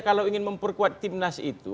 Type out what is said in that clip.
kalau ingin memperkuat timnas itu